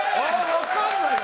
分かんないな。